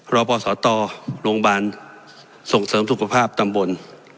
รอปสตโรงพยาบาลส่งเสริมสุขภาพตำบล